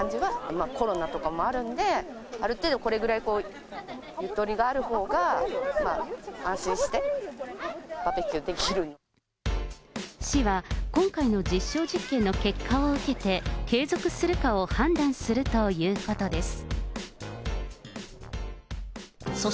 今、コロナとかもあるんで、ある程度これぐらいゆとりがあるほうが、安心してバーベキューで市は、今回の実証実験の結果を受けて、継続するかを判断するということです。